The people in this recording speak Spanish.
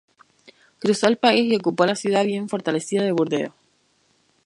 Cruzó el país y ocupó la ciudad bien fortalecida de Burdeos.